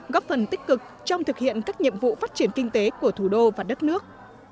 góp phần tích cực trong thực hiện các nhiệm vụ phát triển kinh tế của thủ đô và đất nước